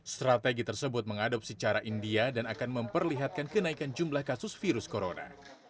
strategi tersebut mengadopsi cara india dan akan memperlihatkan kenaikan jumlah kasus virus corona